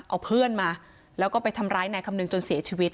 เอาเพื่อนมาแล้วก็ไปทำร้ายนายคำนึงจนเสียชีวิต